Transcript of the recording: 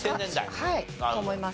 はい。と思います。